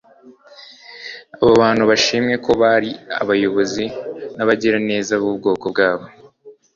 abo bantu bashimwe ko bari abayobozi n'abagiraneza b'ubwoko bwabo.